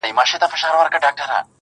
نور به یې پاڼي له نسیمه سره نه نڅیږي!!